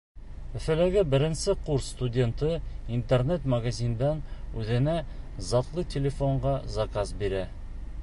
Өфөләге беренсе курс студенты интернет-магазиндан үҙенә затлы телефонға заказ бирә.